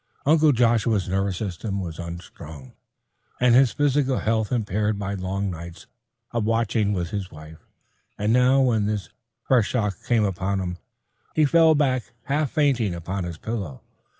Uncle Joshua's nervous system was unstrung, and his physical health impaired by long nights of watching with his wife, and now when this fresh shock came upon him, he fell back half fainting upon his pillow.